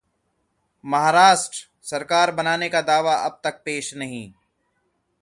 महाराष्ट्र: सरकार बनाने का दावा अब तक पेश नहीं